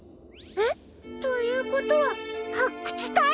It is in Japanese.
えっ？ということははっくつたい？